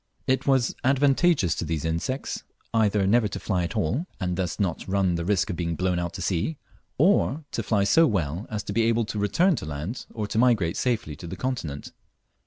It was advantageous to these insects either never to fly at all, and thus not run the risk of being blown out to sea, or to fly so well as to be able either to return to land, or to migrate safely to the continent.